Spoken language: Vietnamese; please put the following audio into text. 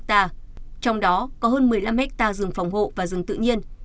trong đó có hơn một mươi năm hectare rừng phòng hộ và rừng tự nhiên